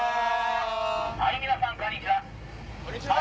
皆さんこんにちは！